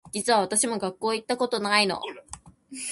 実は私も学校行ったことないの